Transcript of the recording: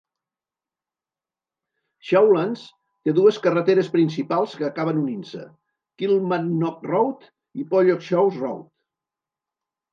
Shawlands té dues carreteres principals que acaben unint-se: Kilmarnock Road i Pollokshaws Road.